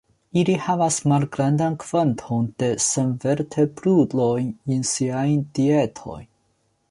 Ili havas malgrandan kvanton de senvertebrulojn en siaj dietoj.